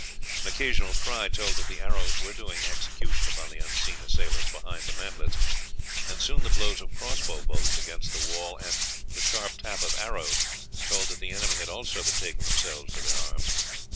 An occasional cry told that the arrows were doing execution upon the unseen assailants behind the mantlets, and soon the blows of cross bow bolts against the wall and the sharp tap of arrows told that the enemy had also betaken themselves to their arms.